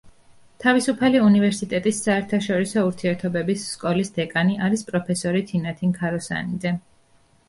თავისუფალი უნივერსიტეტის საერთაშორისო ურთიერთობების სკოლის დეკანი არის პროფესორი თინათინ ქაროსანიძე.